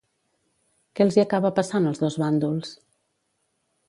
Què els hi acaba passant als dos bàndols?